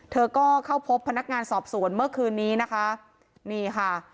เธอก็เข้าพบพนักงานสอบสวนเมื่อคืนนี้นะคะนี่ค่ะ